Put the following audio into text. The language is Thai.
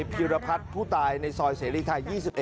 พิรพัฒน์ผู้ตายในซอยเสรีไทย๒๑